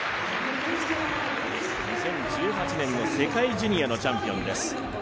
２０１８年の世界ジュニアのチャンピオンです。